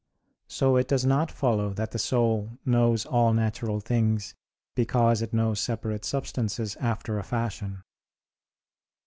So it does not follow that the soul knows all natural things because it knows separate substances after a fashion.